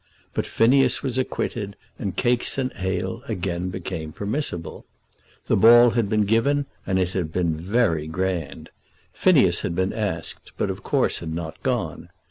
But Phineas was acquitted, and cakes and ale again became permissible. The ball had been given, and had been very grand. Phineas had been asked, but of course had not gone.